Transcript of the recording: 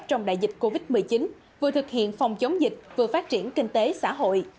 trong đại dịch covid một mươi chín vừa thực hiện phòng chống dịch vừa phát triển kinh tế xã hội